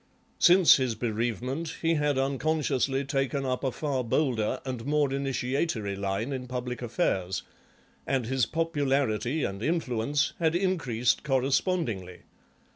Since his bereavement he had unconsciously taken up a far bolder and more initiatory line in public affairs, and his popularity and influence had increased correspondingly.